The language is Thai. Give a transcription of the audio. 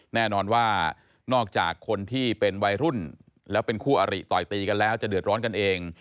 แน่นอนว่านอกจากคนที่เป็นวัยรุ่นแล้วเป็นคู่อริต่อยตีกันแล้วจะเดือดร้อนกันเอง